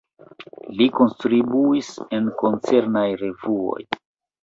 Li kontribuis en koncernaj revuoj.